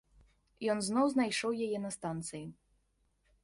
Ён зноў знайшоў яе на станцыі.